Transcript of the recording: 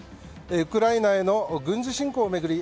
ウクライナへの軍事侵攻を巡り